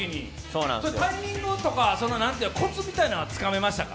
タイミングとかコツみたいなのは、つかめましたか？